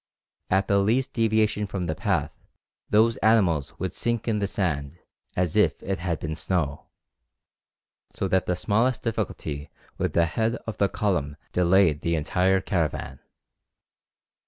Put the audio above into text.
At the least deviation from the path those animals would sink in the sand as if it had been snow, so that the smallest difficulty with the head of the column delayed the entire caravan.